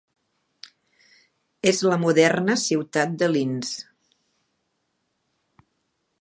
És la moderna ciutat de Linz.